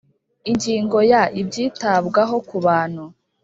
Ingingo ya Ibyitabwaho ku bantu